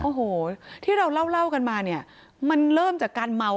โอ้โหที่เราเล่ากันมาเนี่ยมันเริ่มจากการเมา